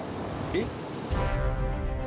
えっ？